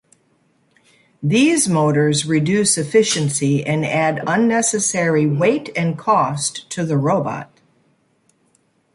These motors reduce efficiency and add unnecessary weight and cost to the robot.